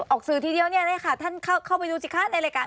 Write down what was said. ออกสื่อทีเดียวเนี่ยค่ะท่านเข้าไปดูสิคะในรายการ